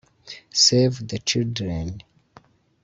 Save the Children